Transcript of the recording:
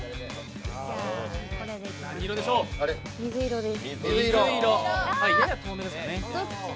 水色です。